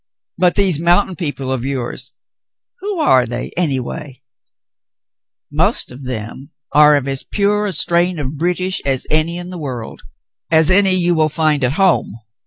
"But these mountain people of yours, who are they anyway 't " *']Most of them are of as pure a strain of British as any in the world — as any you will find at home.